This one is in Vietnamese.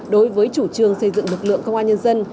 đối với chủ trương xây dựng lực lượng công an nhân dân